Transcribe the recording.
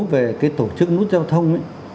về cái tổ chức nút giao thông